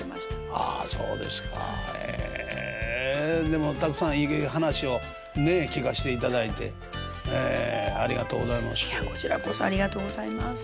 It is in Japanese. でもたくさんいい話をねえ聞かしていただいてありがとうございます。